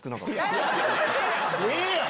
ええやん！